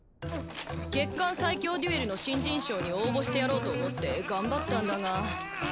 『月刊最強デュエル』の新人賞に応募してやろうと思って頑張ったんだが。